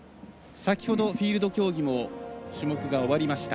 先ほどフィールド競技も種目が終わりました。